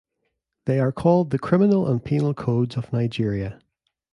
They are called the "criminal and penal codes" of Nigeria.